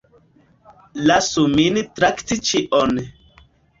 Lasu min trakti ĉion.